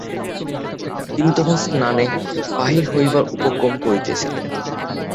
তিনি তখন স্নানে বাহির হইবার উপক্রম করিতেছিলেন।